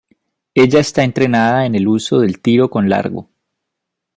Ella está entrenada en el uso del tiro con largo.